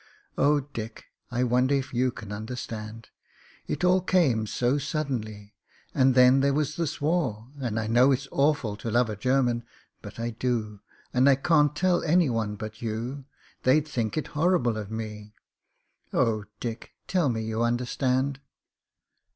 "Oh, Dick, I wonder if you can understand. It all came so suddenly, and then there was this war, and I know it's awful to love a German, but I do, and I can't tell anyone but you; they'd think it horrible of me. Oh, Dick ! tell me you understand."